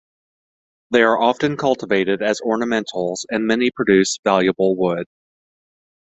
They are often cultivated as ornamentals and many produce valuable wood.